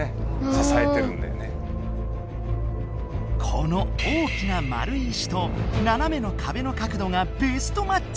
この大きな丸い石とななめのかべの角度がベストマッチング。